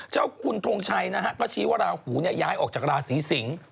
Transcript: เจ้าคุณทงชัยนะฮะก็ชี้ว่าราหูย้ายออกจากราศีสิงศ์